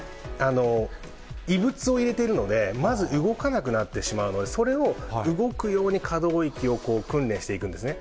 異物を入れているので、まず動かなくなってしまうので、それを動くように可動域を訓練していくんですね。